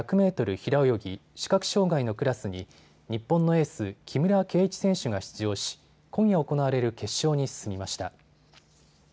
平泳ぎ視覚障害のクラスに日本のエース、木村敬一選手が出場し今夜行われる決勝に進みました。